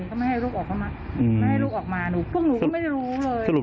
เขาไม่ให้ลูกออกมาพวกหนูก็ไม่ได้รู้เลย